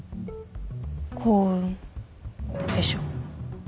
「幸運」でしょ。